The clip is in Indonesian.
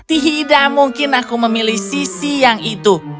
tidak mungkin aku memilih sisi yang itu